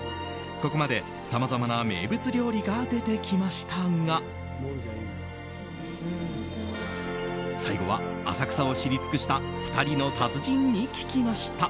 ここまで、さまざまな名物料理が出てきましたが最後は、浅草を知り尽くした２人の達人に聞きました。